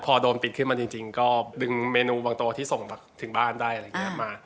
พอโดนปิดขึ้นมาจริงก็ดึงเมนูบางตัวที่ส่งมาถึงบ้านได้อะไรอย่างนี้มา